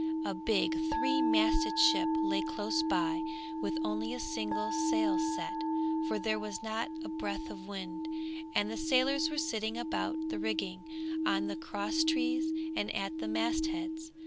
A big three masted ship lay close by with only a single sail set, for there was not a breath of wind, and the sailors were sitting about the rigging, on the cross trees, and at the mast heads.